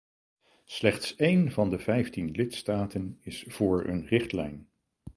Slechts een van de vijftien lidstaten is voor een richtlijn.